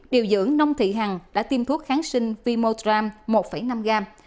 điều dưỡng nông thị hằng đã tiêm thuốc kháng sinh vimotram một năm gram